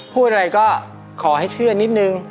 พูดอะไรก็ขอให้เชื่อนิดนึง